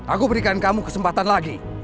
aku berikan kamu kesempatan lagi